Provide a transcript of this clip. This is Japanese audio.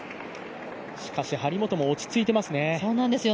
しかし張本も落ち着いてますね。